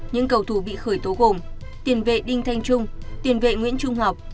những cầu thủ bị khởi tố gồm tiền vệ đinh thanh trung tiền vệ nguyễn trung học